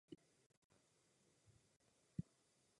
Byla použita i ve starověkém Jeruzalémském chrámu.